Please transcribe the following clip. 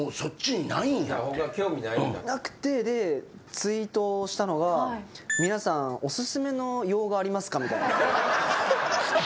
なくてツイートしたのが皆さんおすすめの洋画ありますかみたいな。